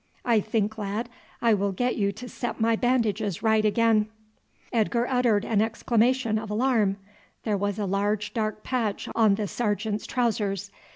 I think, lad, I will get you to set my bandages right again." Edgar uttered an exclamation of alarm. There was a large dark patch on the sergeant's trousers.